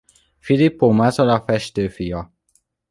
Filippo Mazzola festő fia.